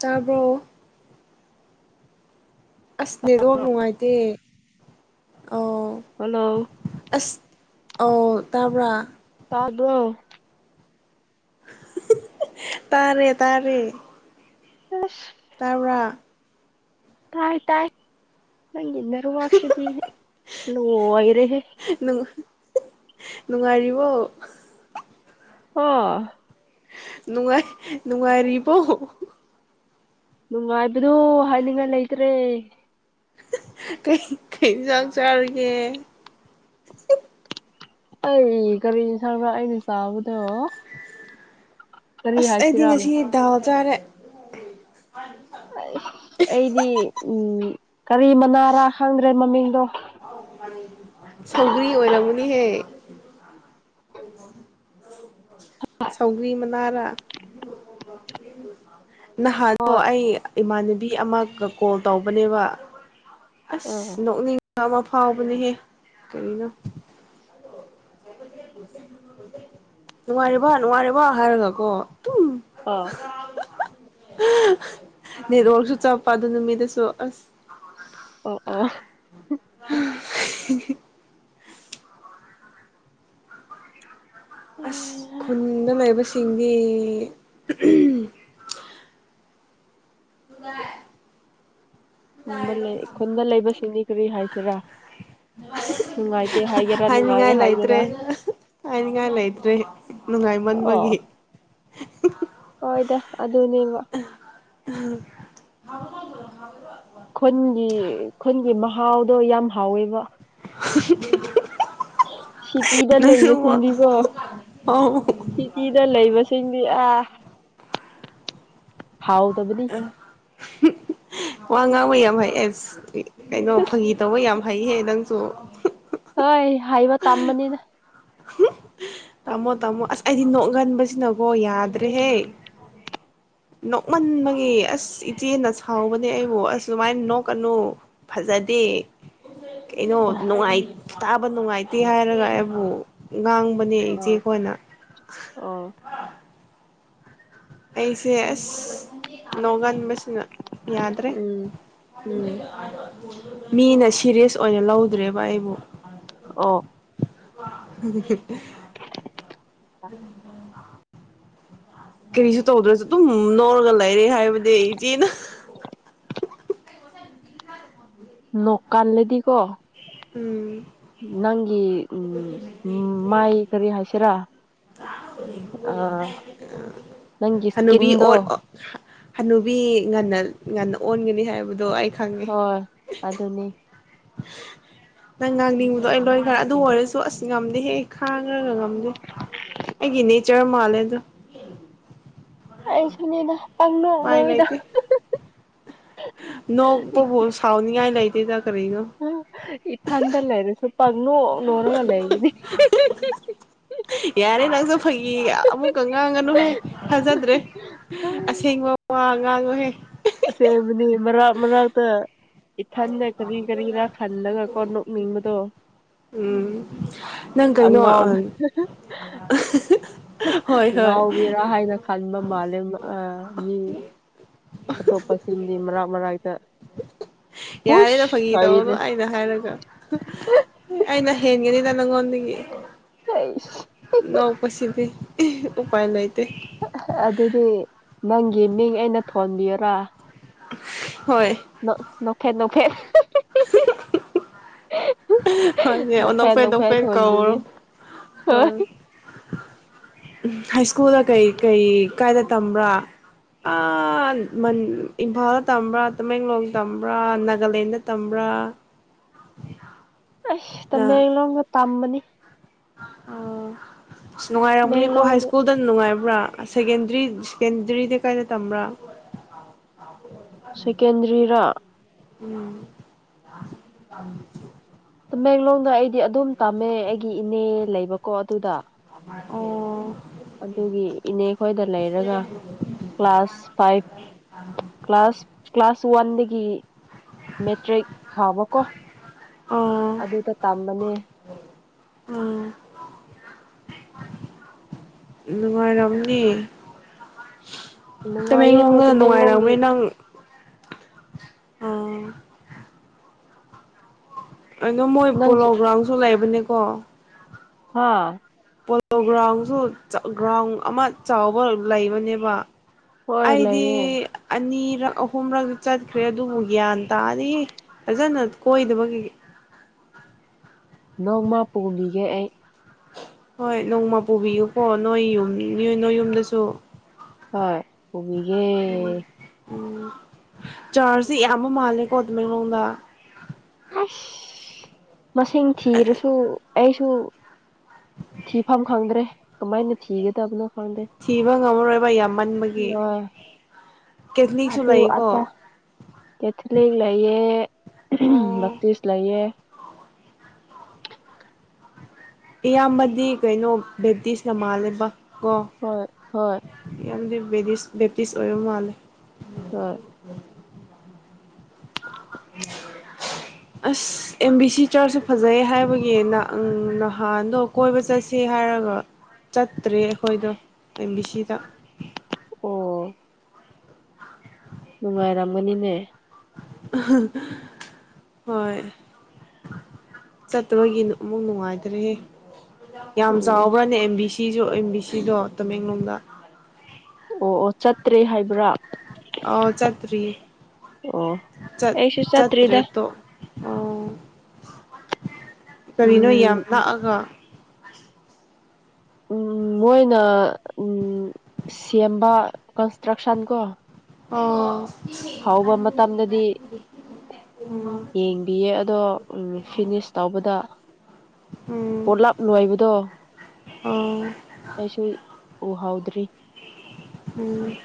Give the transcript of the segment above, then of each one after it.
ꯇꯔꯕ ꯑꯁ ꯅꯦꯋꯥꯛ ꯅꯨꯡꯉꯥꯏꯇꯦ ꯑꯥꯎ ꯍꯜꯂꯣ ꯑꯁ ꯑꯧ ꯇꯥꯕ꯭ꯔꯥ ꯇꯥꯕ꯭ꯔꯣ ꯇꯥꯔꯦ ꯇꯥꯔꯦ ꯑ ꯇꯔꯥ ꯀꯥꯏ ꯇꯥꯏ ꯅꯪꯒꯤ ꯅꯦꯋꯥꯛꯁꯤꯗꯤ ꯂꯣꯏꯔꯦꯍꯦ ꯅꯨꯡ ꯅꯨꯡꯉꯥꯏꯔꯤꯕꯣ ꯍꯥ ꯅꯨꯡꯉꯥꯏ ꯅꯨꯡꯉꯥꯏꯔꯤꯔꯤꯕꯣ ꯅꯨꯡꯉꯥꯏꯕꯗꯨ ꯍꯥꯏꯅꯤꯡꯉꯥꯏ ꯂꯩꯇ꯭ꯔꯦ ꯀꯩ ꯀꯩ ꯆꯥꯛ ꯆꯥꯔꯤꯒꯦ ꯑꯩ ꯀꯔꯤ ꯏꯟꯁꯥꯡꯂꯥ ꯑꯩꯅ ꯆꯥꯕꯗꯣ ꯀꯔꯤ ꯑꯁ ꯑꯩꯗꯤ ꯍꯥꯏꯁꯤꯔꯥ ꯉꯁꯤꯗꯥ ꯆꯔꯦ ꯑ ꯑꯩꯗꯤ ꯎꯝ ꯀꯔꯤ ꯃꯅꯥꯔꯥ ꯈꯪꯗ꯭ꯔꯦ ꯃꯃꯤꯡꯗꯣ ꯁꯧꯒ꯭ꯔꯤ ꯑꯣꯏꯔꯝꯃꯨꯅꯤꯍꯦ ꯁꯧꯒ꯭ꯔꯤ ꯃꯅꯥꯔ ꯅꯍꯥꯣ ꯑꯩ ꯏꯃꯥꯟꯅꯕꯤ ꯑꯃꯒ ꯀꯣꯜ ꯇꯧꯕꯅꯦꯕ ꯑꯁ ꯑꯥ ꯅꯣꯛꯅꯤ ꯑꯃ ꯐꯥꯎꯕꯅꯦꯍꯦ ꯀꯔꯤꯅꯣ ꯅꯨꯡꯉꯔꯤꯕ ꯅꯨꯡꯉꯔꯤꯕ ꯍꯥꯏꯔꯒꯀꯣ ꯑ ꯅꯦꯔꯣꯛꯁꯨ ꯆꯞꯄ ꯑꯗꯨ ꯅꯨ ꯃꯤꯗꯨꯁꯨ ꯑꯁ ꯑꯣ ꯑꯣ [unintelligible] ꯑꯁ ꯈꯨꯨꯅ ꯃ ꯁꯤꯡꯒꯤ ꯎ ꯟꯕ ꯂꯩ ꯈꯨꯟꯗ ꯂꯩꯕꯁꯤꯡꯗꯤ ꯀꯔꯤ ꯍꯥꯏꯁꯤꯦ ꯁꯤꯔ ꯍꯥꯏꯅꯤꯡꯉꯥꯏ ꯍꯥꯏꯒꯦꯔꯥ ꯂꯩꯇ꯭ꯔꯦ ꯍꯥꯏꯅꯤꯡꯉꯥꯏ ꯂꯩꯇ꯭ꯔꯦ ꯑꯣ ꯅꯨꯡꯉꯥꯏꯃꯟꯕꯒꯤ ꯑꯗꯅꯦꯕ ꯈꯨꯟꯒꯤ ꯈꯨꯟꯒꯤ ꯃꯍꯥꯎꯗꯣ ꯌꯥꯝ ꯍꯥꯎꯋꯦꯕ [unintelligible] ꯁꯤꯇꯤꯗ ꯅꯪꯁꯨ ꯂꯩꯕꯁꯤꯡꯗꯤꯀꯣ ꯑꯧ ꯁꯤꯇꯤꯗ ꯂꯩꯕꯁꯤꯡꯗꯤ ꯑꯥ ꯍꯥꯎ ꯇꯕꯗꯤ ꯋꯥ ꯉꯥꯡ ꯃꯩꯌꯥꯚꯥꯏ ꯑꯦꯁ ꯀꯩꯅꯣ ꯐꯥꯒꯤ ꯇꯧꯕ ꯌꯥꯝ ꯐꯩꯍꯦ ꯅꯪꯁꯨ ꯍꯣꯏ ꯍꯥꯏꯕ ꯇꯝꯕꯅꯤꯅ ꯇꯥꯃꯣ ꯇꯥꯃꯣ ꯑꯁ ꯑꯩꯗꯤ ꯅꯣꯛꯒꯟꯕꯁꯤꯅꯀꯣ ꯌꯥꯗ꯭ꯔꯦꯍꯦ ꯅꯣꯛꯃꯟꯕꯒꯤ ꯑꯁ ꯏꯆꯦꯅ ꯁꯥꯎꯕꯅꯦ ꯑꯩꯕꯨ ꯑꯁ ꯁꯨꯃꯥꯏꯅ ꯅꯣꯛꯀꯅꯨ ꯐꯖꯗꯦ ꯀꯩꯅꯣ ꯑꯣ ꯅꯨꯡꯉꯥꯏꯇꯕ ꯅꯨꯡꯉꯥꯏꯇꯦ ꯍꯥꯏꯔꯒ ꯑꯩꯕꯨ ꯉꯥꯡꯕꯅꯤ ꯑꯥ ꯑ ꯑꯩꯁꯦꯁ ꯂꯒꯥꯟ ꯌꯥꯗ꯭ꯔꯦ ꯎꯝ ꯎꯝ ꯃꯤꯅ ꯁꯤꯦꯔꯤꯌꯁ ꯑꯣꯏꯅ ꯂꯧꯗ꯭ꯔꯦꯕ ꯑꯩꯕꯨ ꯑꯣ ꯑꯗꯨ ꯑꯗꯨ ꯀꯔꯤꯁꯨ ꯇꯧꯗ꯭ꯔꯁꯨ ꯑꯗꯨꯝ ꯅꯧꯔꯒ ꯂꯩꯔꯦ ꯍꯥꯏꯕꯗꯤ ꯏꯆꯦꯅ ꯅ ꯀꯥꯟꯜꯂꯦꯗꯤ ꯀꯣ ꯎꯝ ꯅꯪꯒꯤ ꯎꯝ ꯃꯥꯏ ꯀꯔꯤ ꯍꯥꯁꯤꯔ ꯑ ꯅꯪꯒꯤ ꯍꯅꯨꯕꯤ ꯏꯁꯀꯤꯟꯣ ꯑꯣ ꯍꯅꯨꯕꯤ ꯉꯟꯅ ꯉꯟꯅ ꯑꯣꯟꯒꯅꯤ ꯍꯥꯏꯕꯗꯣ ꯑꯩ ꯈꯪꯉꯦ ꯍꯣꯏ ꯑꯗꯨ ꯑꯗꯨꯅꯤ ꯅꯪ ꯉꯥꯡꯅꯤꯡꯕꯗꯣ ꯑꯩ ꯂꯣꯏꯈꯔꯦ ꯑꯗꯨ ꯑꯣꯏꯔꯁꯨ ꯑꯁ ꯉꯝꯗꯦ ꯍꯦꯛ ꯈꯥꯡꯉ꯭ꯔꯒ ꯉꯝꯗꯦ ꯑꯩꯒꯤ ꯅꯦꯆꯔ ꯃꯥꯜꯂꯦ ꯑꯗꯣ ꯑꯩꯁꯨꯅꯤꯅ ꯄꯪꯅꯣꯛ ꯅꯣꯣꯏꯗ ꯅꯣꯡ ꯄꯕ ꯁꯥꯎꯅꯤꯌꯥꯥꯏ ꯂꯩ [unintelligible] ꯏ ꯊꯥꯟꯗ ꯂꯩꯔꯦ ꯁ ꯄꯪꯅ ꯎꯔꯉꯂ ꯏꯅꯤ ꯌꯥꯔꯦ ꯂꯥꯡꯁꯨ ꯐꯩꯒꯤ ꯑꯃꯨꯛꯀ ꯉꯥꯡꯉꯅꯨꯍꯦ ꯐꯖꯗ꯭ꯔꯦ ꯑꯁꯦꯡꯕ ꯋꯥ ꯉꯥꯡꯉꯨꯍꯦ ꯑꯁꯦꯡꯕꯅꯤ ꯃꯔꯛ ꯃꯔꯛꯇ ꯏꯊꯟꯗ ꯀꯔꯤ ꯀꯔꯤꯔꯥ ꯈꯜꯂꯒꯀꯣ ꯅꯣꯛꯅꯤꯡꯕꯗꯣ ꯎꯝ ꯅꯪ ꯀꯥꯏꯩꯅꯣ ꯎ ꯑꯉꯥꯎꯕ ꯉꯥꯎꯕꯤꯔꯥ ꯍꯥꯏꯅ ꯈꯟꯕ ꯃꯥꯜꯂꯦ ꯃꯤ ꯑꯇꯣꯞꯄꯁꯤꯡꯗꯤ ꯃꯔꯥꯛ ꯃꯔꯥꯏ ꯌꯥꯔꯦꯅ ꯐꯥꯒꯤ ꯇꯧꯔꯗꯣ ꯍꯥꯏꯅꯦ ꯑꯩꯅ ꯍꯥꯏꯔꯒ ꯑꯩꯅ ꯍꯦꯟꯒꯅꯤꯗ ꯅꯪꯉꯣꯟꯗ ꯑ ꯅꯧ ꯄꯁꯤꯗꯤ ꯎꯄꯥꯏ ꯂꯩꯇꯦ ꯑꯗꯨꯗꯤ ꯅꯪꯒꯤ ꯃꯤꯡ ꯑꯩꯅ ꯊꯣꯟꯕꯤꯔꯥ [unintelligible] ꯅꯈ ꯅ ꯍꯦ ꯅꯣꯛꯐꯦꯠ ꯍꯣꯏꯅꯦꯅꯄꯩ ꯅꯣꯛꯐꯦꯠ ꯅꯄꯩ ꯀ ꯑꯣ ꯊꯣꯟꯕꯤꯒꯦ ꯍꯣꯏ ꯍꯥꯏ ꯁ꯭ꯀꯨꯜꯗ ꯀꯩ ꯀꯩ ꯀꯥꯏꯗ ꯇꯝꯕ꯭ꯔꯥ ꯏꯝꯐꯥꯜꯗ ꯇꯝꯕ꯭ꯔꯥ ꯇꯃꯦꯡꯂꯣꯡꯗ ꯇꯝꯕ꯭ꯔꯥ ꯅꯥꯒꯥꯂꯦꯟꯗ ꯇꯝꯕ꯭ꯔꯥ ꯑꯁ ꯅꯪ ꯇꯃꯦꯡꯂ ꯇꯃꯅꯤ ꯑꯣ ꯑ ꯅꯨꯡꯉꯥꯏꯔꯝꯅꯤꯀꯣ ꯍꯥꯏ ꯇꯃꯦꯡꯂꯣꯡꯗ ꯁ꯭ꯀꯨꯜꯗꯅ ꯅꯨꯡꯉꯥꯏꯕ ꯇꯝꯕ꯭ꯔ ꯁꯦꯟꯗꯔꯤ ꯁꯦꯀꯦꯟꯗꯔꯤꯗ ꯀꯥꯏꯅ ꯇꯝꯕ꯭ꯔꯥ ꯁꯦꯀꯦꯟꯗꯔꯤꯔꯥ ꯎꯝ ꯑ ꯇꯃꯦꯡꯂꯣꯡꯗ ꯑꯩꯗꯤ ꯑꯗꯨꯝ ꯇꯝꯃꯦ ꯑꯩꯒꯤ ꯏꯅꯦ ꯂꯩꯕꯀꯣ ꯑꯗꯨꯗ ꯑꯣ ꯑꯗꯨꯒꯤ ꯏꯅꯦ ꯈꯣꯏꯗ ꯂꯩꯔꯒ ꯀ꯭ꯂꯥꯁ ꯐꯥꯏꯚ ꯀ꯭ꯂꯥꯁ ꯀ꯭ꯂꯥꯁ ꯁꯋꯥꯟꯗꯤꯗꯒꯤ ꯃꯦꯇ꯭ꯔꯤꯛ ꯐꯥꯎꯕꯀꯣ ꯑꯣ ꯑꯗꯨꯗ ꯇꯝꯕꯅꯦ꯫ ꯎꯝ ꯅꯨꯡꯉꯥꯏꯔꯝꯅꯤ꯫ ꯅꯨꯡꯉꯥꯏꯌꯦ ꯍꯣꯏ ꯇꯃꯦꯡꯂꯣꯡꯅ ꯇꯃꯦꯡꯂꯣꯡꯒꯤ ꯅꯨꯡꯉꯥꯏꯔꯝꯅꯤ ꯅꯪ ꯎꯝ꯫ ꯀꯩꯅꯣ ꯃꯣꯏ ꯄꯣꯂꯣ ꯅꯪꯁꯨ ꯒ꯭ꯔꯥꯎꯟꯖꯨ ꯂꯩ ꯑꯗꯨꯅꯤꯀꯣ꯫ ꯍꯥꯥ꯫ ꯄꯣꯂꯣ ꯒ꯭ꯔꯥꯎꯟꯖꯨ ꯒ꯭ꯔꯥꯎꯟ ꯑꯃ ꯆꯥꯎꯕ ꯂꯩꯕꯅꯦꯕ꯫ ꯍꯣꯏ ꯑꯩꯗꯤ ꯂꯩꯌꯦ ꯑꯅꯤ ꯑꯍꯨꯝꯂꯛꯇꯤ ꯆꯠꯈ꯭ꯔꯦ ꯑꯗꯨꯕꯨ ꯒ꯭ꯌꯥꯟ ꯇꯥꯗ꯭ꯔꯤ ꯐꯖꯟꯅ ꯀꯣꯏꯗꯕꯒꯤ꯫ ꯅꯣꯡꯃ ꯄꯨꯨꯕꯤꯒꯦ ꯑꯩ꯫ ꯍꯣꯏ ꯅꯣꯡꯃ ꯄꯨꯕꯤꯌꯨꯀꯣ ꯅꯣꯏ ꯌꯨꯝ ꯅꯣꯏ ꯌꯨꯝꯗꯁꯨ꯫ ꯍꯣꯏ ꯄꯨꯕꯤꯒꯦ꯫ ꯎꯝ ꯆꯥꯔꯁꯤ ꯌꯥꯝꯕ ꯃꯥꯜꯂꯦꯀꯣ ꯇꯃꯦꯡꯂꯣꯡꯗ ꯏꯁ ꯃꯁꯤꯡ ꯊꯤꯔꯁꯨ ꯑꯩꯁꯨ ꯊꯤꯐꯝ ꯈꯪꯗ꯭ꯔꯦ ꯀꯃꯥꯏꯅ ꯊꯤꯒꯗꯕꯅꯣ ꯈꯪꯗꯦ ꯊꯤꯕ ꯉꯝꯃꯔꯣꯏꯕ ꯌꯥꯝꯃꯟꯕꯒꯤ ꯑ ꯀꯦꯊꯂꯤꯛꯁꯨ ꯑꯗꯨ ꯂꯩꯀꯣ ꯑꯗꯥ ꯀꯦꯊꯂꯤꯛ ꯂꯩꯌꯦ ꯑꯣ [unintelligible] ꯂꯩꯌꯦ꯫ ꯏꯌꯥꯝꯕꯗꯤ ꯀꯩꯅꯣ ꯕꯦꯞꯇꯤꯁꯅ ꯃꯥꯜꯂꯦꯕ꯫ ꯀꯣ ꯍꯣꯏ ꯍꯣꯏ ꯌꯥꯝꯗꯤ [unintelligible] ꯕꯦꯞꯇꯤꯁ ꯑꯣꯏꯕ ꯃꯥꯜꯂꯦ [unintelligible] ꯑꯁ ꯑꯦꯝ ꯕꯤ ꯁꯤ ꯆꯔꯁꯁꯨ ꯐꯖꯩ ꯍꯥꯏꯕꯒꯤ ꯅ ꯅꯍꯥꯟꯗꯣ ꯀꯣꯏꯕ ꯆꯠꯁꯦ ꯍꯥꯏꯔꯒ ꯆꯠꯇ꯭ꯔꯦ ꯑꯩꯈꯣꯏꯗꯣ ꯑꯦꯝ ꯕꯤ ꯁꯤꯗ ꯑꯣ꯫ ꯅꯨꯡꯉꯥꯏꯔꯝꯒꯅꯤꯅꯦ ꯍꯣꯏ ꯆꯠꯇꯕꯒꯤ ꯑꯃꯨꯛ ꯅꯨꯡꯉꯥꯏꯇ꯭ꯔꯦ ꯍꯦ ꯌꯥꯝ ꯎꯝ ꯆꯥꯎꯕ꯭ꯔꯥꯅꯦ ꯑꯦꯝꯕꯤꯁꯤ ꯁꯤꯁꯨ ꯑꯦꯝꯕꯤꯁꯤꯗꯣ ꯇꯃꯦꯡꯂꯣꯡꯗ꯫ ꯑꯣ ꯑꯣ ꯆꯠꯇ꯭ꯔꯦ ꯍꯥꯏꯕ꯭ꯔꯥꯔ꯫ ꯑ ꯆꯇꯔꯤ ꯑꯣ ꯆꯠ ꯑꯩꯁꯨ ꯆꯠꯇ꯭ꯔꯦ ꯆꯠꯇ꯭ꯔꯤꯗ ꯇꯣ ꯑꯣ꯫ ꯀꯔꯤꯅꯣ ꯌꯥꯝ ꯎꯝ ꯅꯛꯑꯒ [inaudible] ꯎꯝ ꯃꯣꯏꯅ ꯎꯝ ꯁꯦꯝꯕ ꯀꯟꯁꯇ꯭ꯔꯛꯁꯟ ꯀꯣ ꯑꯣ꯫ ꯍꯥꯎꯕ ꯃꯇꯝꯗꯗꯤ ꯎꯝ ꯌꯦꯡꯕꯤꯌꯦ ꯑꯗꯣ ꯐꯤꯅꯤꯁ ꯇꯧꯕꯗ ꯎꯝ ꯄꯣꯂꯥꯞ ꯂꯅꯨꯡꯣꯏꯕꯗꯣ ꯑꯣ ꯑꯩꯁꯨ ꯎꯍꯥꯎꯗ꯭ꯔꯦ ꯐ ꯎꯝ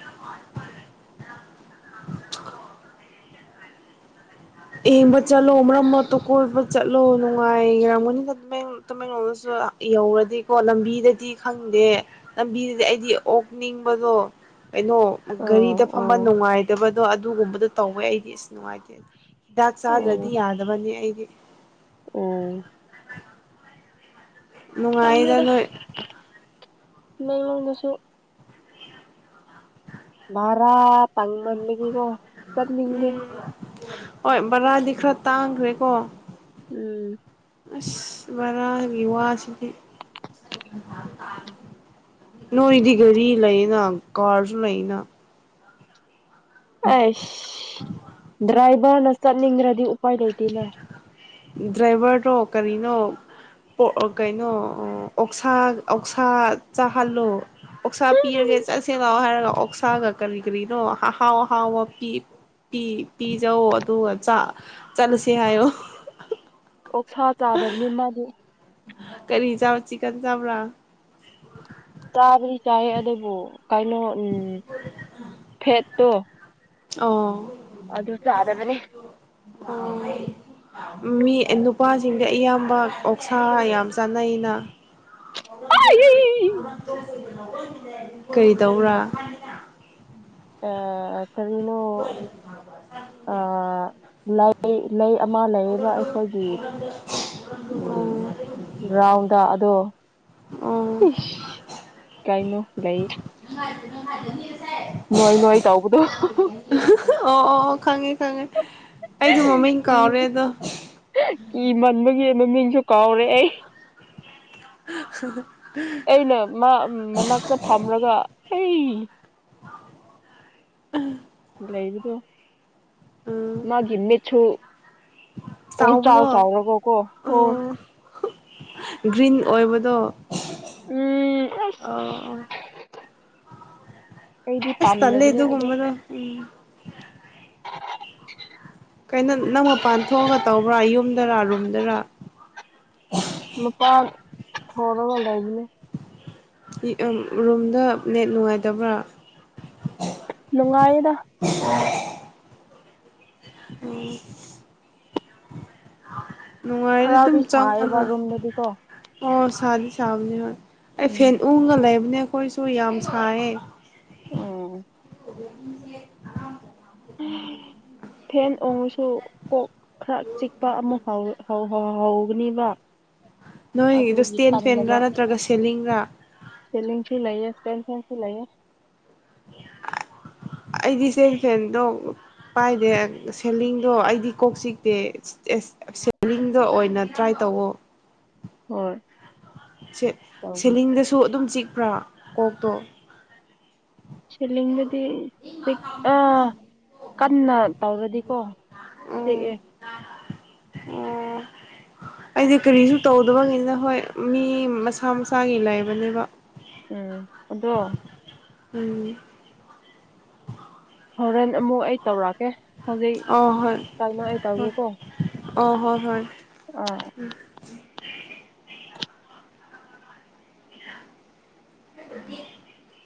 ꯏꯕ ꯆꯂꯣ ꯍꯔ ꯃꯥꯠꯇ ꯀꯣꯏ ꯆꯠꯂꯣ ꯅꯨꯡꯉꯥꯏꯔꯝꯒꯅꯤꯅ ꯇꯃꯦꯡꯂꯣꯗꯁꯨ ꯌꯧꯔꯗꯤꯀꯣ ꯂꯝꯕꯤꯗꯗꯤ ꯈꯪꯗꯦ ꯂꯝꯕꯤꯗꯗꯤ ꯑꯩꯗꯤ ꯑꯣꯛꯅꯤꯡꯕꯗꯣ ꯀꯩꯅꯣ ꯑꯣ ꯒꯥꯔꯤꯗ ꯐꯝꯕ ꯑꯣ ꯅꯨꯡꯉꯥꯏꯇꯕ ꯑꯗꯣ ꯑꯗꯨꯒꯨꯝꯕꯗꯣ ꯇꯧꯋꯦ ꯑꯩꯗꯤ ꯑꯁ ꯅꯨꯡꯉꯥꯏꯇꯦ ꯍꯤꯗꯥꯛ ꯑꯣ ꯆꯥꯗ꯭ꯔꯗꯤ ꯌꯥꯗꯕꯅꯤ ꯑꯩ ꯌꯦ ꯎꯝ ꯃꯅꯨꯡꯉꯥꯏꯗꯅ ꯃꯦꯡꯂꯗꯨꯁꯨ ꯃꯔꯔꯥ ꯎꯝ ꯍꯣꯏ ꯔꯗꯤ ꯈꯔ ꯇꯥꯡꯈ꯭ꯔꯦꯀꯣ ꯎꯝ ꯑꯁ ꯚꯔꯥꯒꯤ ꯋꯥꯁꯤꯗꯤ ꯅꯣꯏꯗꯤ ꯒꯥꯔꯤ ꯂꯩꯅ ꯀꯥꯔꯁꯨ ꯂꯩꯅ ꯑ ꯗ꯭ꯔꯥꯏ ꯕꯅꯁ ꯅꯤꯡ꯭ꯔꯗꯤ ꯗ꯭ꯔꯥꯏꯕꯔ ꯇ ꯀꯔꯤ ꯀꯩꯅꯣ ꯀꯩꯅꯣ ꯑꯣꯛꯁꯥ ꯑꯣꯛꯁꯥ ꯆꯥꯍꯜꯂꯣ ꯑꯣꯛꯁꯥ ꯄꯤꯔꯒꯦ ꯆꯠꯁꯦꯂꯑꯣ ꯍꯥꯏꯔꯒ ꯑꯣꯛꯁꯥꯒ ꯀꯔꯤ ꯀꯔꯤꯅꯣ ꯑꯍꯥꯎ ꯑꯍꯥꯎꯕ ꯄꯤꯖꯧ ꯑꯗꯨꯒ ꯆꯠꯂ ꯁꯤ ꯑꯣ ꯑꯣꯛꯁꯥ ꯆꯥꯗꯕꯅꯤ ꯃꯥꯗꯤ ꯀꯔꯤ ꯆꯥꯕ ꯆꯤꯀꯟ ꯆꯕ꯭ꯔꯥ ꯇꯕ ꯆꯥꯏ ꯑꯗꯨꯕꯨ ꯀꯥꯏꯅꯣ ꯎꯝ ꯐꯦꯠ ꯠꯇꯣ ꯑꯣ ꯑꯗꯨ ꯆꯔꯗꯅꯤ ꯑꯣ ꯃꯤ ꯅꯨꯄꯥꯁꯤꯡꯗ ꯑꯌꯥꯝꯕ ꯑꯣꯛꯁꯥ ꯌꯥꯝ ꯆꯥꯅꯩꯅ ꯀꯩꯗꯧꯕꯔ ꯑ ꯀꯔꯤꯅꯣ ꯂꯩ ꯂꯩ ꯑꯃ ꯂꯩꯌꯦꯕ ꯑꯩꯈꯣꯏꯒꯤ ꯑꯣ ꯎ ꯒ꯭ꯔꯥꯎꯟꯗ ꯑꯗꯣ ꯑꯣ ꯑꯣ ꯀꯩꯅꯣ ꯂꯩ ꯅꯨꯡꯉꯥꯏꯥꯏ ꯅꯣꯏ ꯅꯣꯏ ꯇꯥꯎꯕꯨꯗ ꯑꯣ ꯑꯣ ꯑꯣ ꯈꯪꯉꯦ ꯈꯪꯉꯦ ꯑꯩꯗꯣ ꯃꯃꯡ ꯀꯥꯎꯔꯦ ꯑꯗꯣ ꯀꯤ ꯃꯟꯕꯒꯤ ꯑꯗꯨꯃꯤꯡꯁꯨ ꯀꯥꯎꯔꯦ ꯑꯩ ꯍ ꯑꯩꯅ ꯃꯥ ꯃꯅꯥꯛꯇ ꯐꯝꯔꯒ ꯑꯩ ꯎꯝ ꯂꯩꯕꯗꯣ ꯎꯝ ꯃꯥꯒꯤ ꯃꯦꯊꯨ ꯄꯣ ꯆꯥꯎ ꯆꯥꯎꯕꯗꯣ ꯆꯥꯎꯔꯒꯣ ꯀꯣ ꯍ ꯑꯥ ꯒ꯭ꯔꯤꯟ ꯑꯣꯏꯕꯗꯣ ꯎꯝ ꯑꯁ ꯑꯣ ꯑꯩꯗꯤ ꯑꯁ ꯇꯂꯦ ꯄꯥꯝꯗꯕꯅꯦ ꯑꯗꯨꯣ ꯑꯗꯣ ꯀꯗ ꯎ [unintelligible] ꯀꯩꯅꯣ ꯅꯪ ꯃꯄꯥꯟ ꯊꯣꯛꯑꯒ ꯇꯧꯕ꯭ꯔꯥ ꯌꯨꯝꯗꯔ ꯔꯨꯝꯗꯔ ꯃꯄꯥꯥꯟ ꯍꯔ ꯋꯥꯗ ꯏꯒꯤꯅꯦ ꯔꯨꯝꯗ ꯅꯠ ꯅꯨꯡꯉꯥꯏꯇꯕ꯭ꯔꯥ ꯅꯨꯡꯉꯥꯏꯗ ꯎ ꯈꯔ ꯑꯗꯨꯝ ꯑꯗꯨ ꯁꯥꯏꯌꯦꯕ ꯆꯪꯉꯣꯅ ꯔꯨꯝꯗꯗꯤꯀꯣ ꯑꯣ ꯁꯗ ꯁꯕꯗꯤ ꯍ ꯑꯩ ꯎꯝ ꯐꯦꯟ ꯎ ꯉ ꯂꯩ ꯏꯅꯦ ꯑꯩꯈꯣꯏꯁꯨ ꯌꯥꯝ ꯁꯥꯏꯌꯦꯦ ꯎꯝ ꯦ ꯐꯦꯟ ꯑꯣꯡꯉꯨꯁꯨ ꯀꯣꯛ ꯈꯔ ꯆꯤꯛꯄ ꯑꯃ ꯐꯥꯎꯋꯤ ꯍ ꯍꯣ ꯍꯒꯅꯤꯕ ꯅꯣꯏꯗ ꯏꯁꯇꯦꯟ ꯐꯦꯟꯒꯥ ꯅꯠꯇ꯭ꯔꯒ ꯁꯦꯂꯤꯡꯒꯥ ꯄꯦꯟ ꯐꯦꯟꯁꯤ ꯂꯩ ꯑꯩꯗꯤ ꯆꯦꯟ ꯐꯦꯟꯗꯣ ꯄꯥꯏꯗꯦ ꯁꯦꯂꯤꯡꯗꯣ ꯑꯩꯗꯤ ꯀꯣꯛ ꯆꯤꯛꯇꯦ ꯁꯦꯂꯤꯡꯗꯣ ꯑꯣꯏꯅ ꯇ꯭ꯔꯥꯏ ꯇꯧꯋꯣ ꯍ ꯁ ꯁꯦꯂꯤꯡꯗꯁꯨ ꯑꯗꯨꯝ ꯆꯤꯛ ꯄꯨ꯭ꯔꯣ ꯑꯣꯛꯗꯣ ꯁꯤꯂꯤꯒ ꯑꯥ ꯀꯟꯅ ꯇꯧꯔꯗꯤꯀꯣ ꯎꯝ ꯆꯦꯛꯑꯦ ꯑꯣ ꯑꯩꯗꯤ ꯀꯔꯤꯁꯨ ꯇꯧꯗꯕꯅꯤꯅ ꯍꯣꯏ ꯃꯤ ꯃꯁꯥ ꯃꯁꯥꯒꯤ ꯂꯩꯕꯅꯦꯕ ꯎꯝ ꯑꯗꯣ ꯎꯝꯅꯦ ꯍꯣꯔꯦꯟ ꯑꯃꯨꯛ ꯑꯩ ꯇꯧꯔꯛꯑꯀꯦ ꯑ ꯍꯣꯏ ꯑ ꯍꯣꯏ ꯍꯣꯏ ꯑꯥ ꯎ [unintelligible] [unintelligible]